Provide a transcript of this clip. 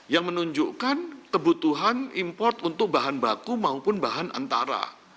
yang menunjukkan kebutuhan import untuk bahan baku maupun bahan antara